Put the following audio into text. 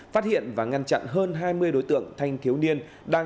phát hiện và ngăn chặn hơn hai mươi đối tượng thanh thiếu niên